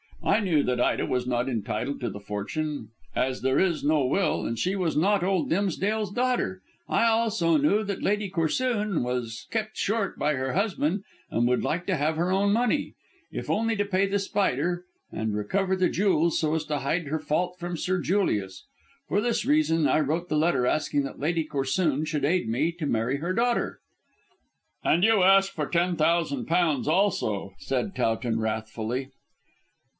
I knew that Ida was not entitled to the fortune, as there was no will and she was not old Dimsdale's daughter. I knew also that Lady Corsoon was kept short by her husband and would like to have her own money, if only to pay The Spider and recover the jewels so as to hide her fault from Sir Julius. For this reason I wrote the letter asking that Lady Corsoon should aid me to marry her daughter." "And you asked for ten thousand pounds also," said Towton wrathfully.